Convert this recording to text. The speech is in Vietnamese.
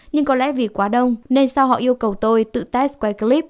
nhưng có lẽ vì quá đông nên sau họ yêu cầu tôi tự test quay clip